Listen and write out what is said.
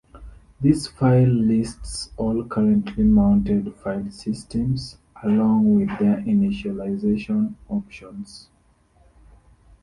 This file lists all currently mounted filesystems along with their initialization options.